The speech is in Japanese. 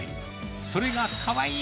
それがかわいい！